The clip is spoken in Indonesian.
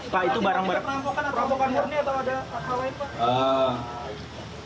pak itu barang barang perampokan perampokan murni atau ada hal lain